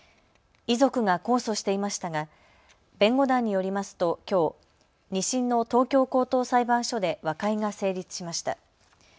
遺族が控訴していましたが弁護団によりますときょう、２審の東京高等裁判所で和解が成立しました。